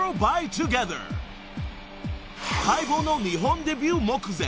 ［待望の日本デビュー目前］